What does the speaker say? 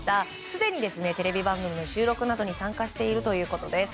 すでにテレビ番組の収録などに参加しているということです。